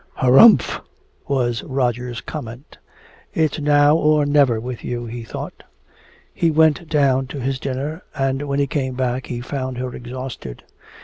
"Humph!" was Roger's comment. "It's now or never with you," he thought. He went down to his dinner, and when he came back he found her exhausted.